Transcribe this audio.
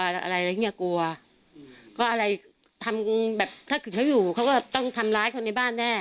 ก็อะไรทำแบบถ้าคือเขาอยู่เขาก็ต้องทำร้ายคนในบ้านแน่